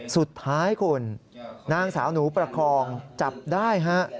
สุดท้ายคุณนางสาวหนูประคองจับได้ฮะ